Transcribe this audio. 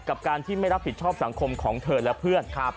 กับการที่ไม่รับผิดชอบสังคมของเธอและเพื่อน